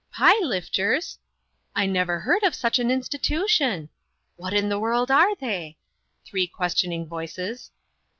"Pie lifters !" "I never heard of such an institution." " What in the world are they ?" Three questioning voices.